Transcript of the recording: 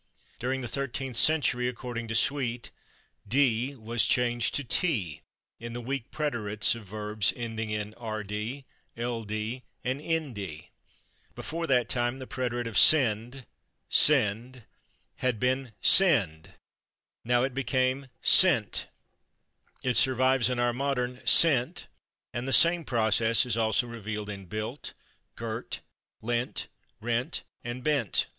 During the thirteenth century, according to Sweet, "/d/ was changed to /t/ in the weak preterites of verbs [ending] in /rd/, /ld/ and /nd/." Before that time the preterite of /sende/ (/send/) had been /sende/; now it became /sente/. It survives in our modern /sent/, and the same process is also revealed in /built/, /girt/, /lent/, /rent/ and /bent